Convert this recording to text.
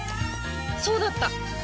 そうだった！